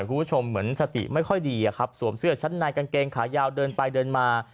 คุณผู้ชมเหมือนสติไม่ค่อยดีอะครับสวมเสื้อชั้นในกางเกงขายาวเดินไปเดินมา